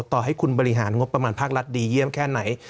ต่อให้คุณบริหารงบประมาณภาครัฐดีเยี่ยมแค่ไหน